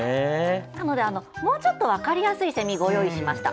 なので、もうちょっと分かりやすいセミご用意しました。